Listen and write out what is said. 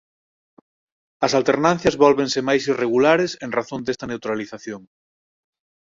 As alternancias vólvense máis «irregulares» en razón desta neutralización.